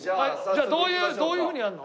じゃあどういうふうにやるの？